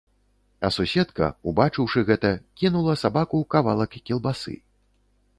А суседка, убачыўшы гэта, кінула сабаку кавалак кілбасы.